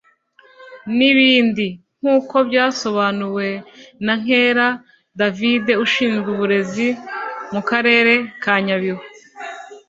n’ibindi; nk’uko byasobanuwe na Nkera David ushinzwe uburezi mu karere ka Nyabihu